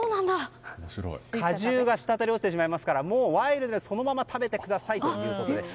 果汁がしたたり落ちてしまいますからもう、ワイルドにそのまま食べてくださいということです。